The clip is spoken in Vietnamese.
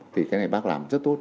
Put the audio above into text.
thì cái này bác làm rất tốt